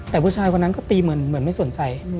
แต่ผู้ชายคนนั้นก็ตีเหมือนไม่สนใจ